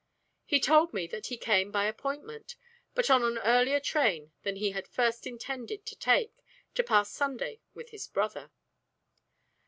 "He told me that he came by appointment, but on an earlier train than he had at first intended to take, to pass Sunday with his brother."